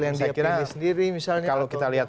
yang dia kirani sendiri misalnya kalau kita lihat